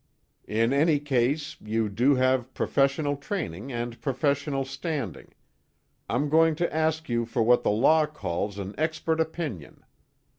"In any case you do have professional training and professional standing. I'm going to ask you for what the law calls an expert opinion.